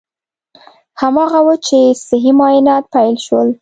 هماغه و چې صحي معاینات پیل شول.